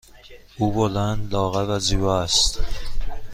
او بلند، لاغر و زیبا است.